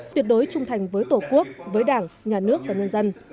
tuyệt đối trung thành với tổ quốc với đảng nhà nước và nhân dân